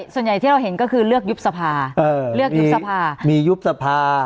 ส่วนใหญ่ที่เราเห็นก็คือเลือกยุบสภาเลือกยุบสภามียุบสภา